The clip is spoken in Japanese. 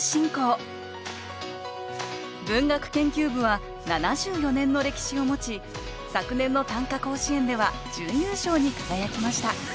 文学研究部は７４年の歴史を持ち昨年の短歌甲子園では準優勝に輝きました。